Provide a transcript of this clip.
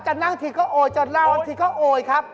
จะนั่งทีก็โอ๊ยจะเล่าทีก็โอ๊ยครับ